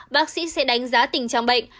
bác sĩ sẽ đánh giá tình trạng bệnh